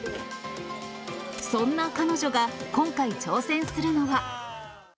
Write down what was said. そんな彼女が今回挑戦するのは。